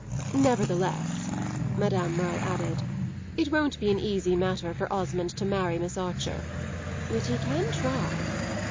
Nevertheless," Madame Merle added, "it won't be an easy matter for Osmond to marry Miss Archer. Yet he can try."